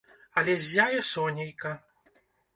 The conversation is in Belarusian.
Але ззяе сонейка.